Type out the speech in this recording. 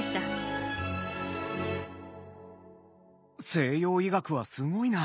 西洋医学はすごいな。